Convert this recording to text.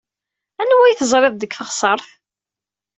Anwa ay teẓriḍ deg teɣsert?